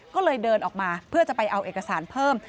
ก็เลยเดินออกมาเพื่อจะไปเอาเอกสารเพิ่ม